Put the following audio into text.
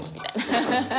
アハハハ。